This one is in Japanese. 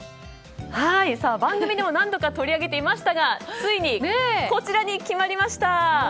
番組でも何度か取り上げていましたがついに、こちらに決まりました！